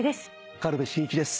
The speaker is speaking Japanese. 軽部真一です。